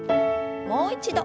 もう一度。